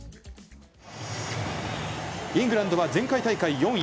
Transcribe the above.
イングランドは前回大会４位。